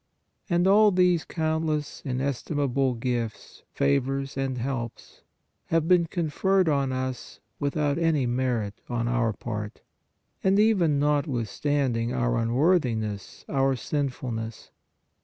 And all these countless inestimable gifts, favors and helps have been conferred on us without any merit on our part, and even notwithstanding our unworthiness, our sinfulness.